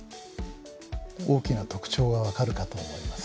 大きな特徴が分かるかと思います。